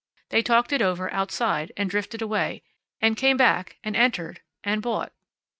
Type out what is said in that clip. They talked it over, outside, and drifted away, and came back, and entered, and bought.